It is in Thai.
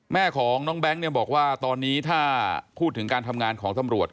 แม่ของน้องแบงค์เนี่ยบอกว่าตอนนี้ถ้าพูดถึงการทำงานของตำรวจ